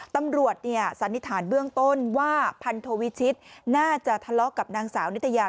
ตำรวจสันนิษฐานเบื้องต้นว่าพันธวิชิตน่าจะทะเลาะกับนางสาวนิตยา